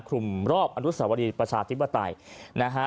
คลุมรอบอนุสาวรีประชาธิปไตยนะฮะ